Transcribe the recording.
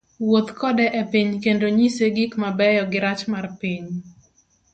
Wuoth kode epiny kendo nyise gik mabeyo girach mar piny.